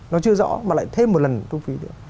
nó chưa rõ mà lại thêm một lần thuế phí